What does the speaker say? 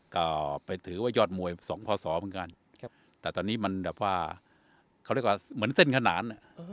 ก็ไปถือว่ายอดมวยสองพศเหมือนกันแต่ตอนนี้มันแบบว่าเขาเรียกว่าเหมือนเส้นขนาน